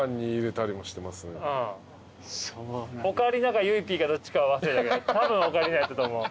かゆいＰかどっちかは忘れたけどたぶんオカリナやったと思う。